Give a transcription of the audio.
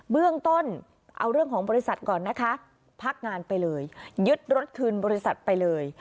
เบื้องต้นเอาเรื่องของบริษัทก่อนนะคะพักงานไปเลยยึดรถคืนบริษัทไปเลย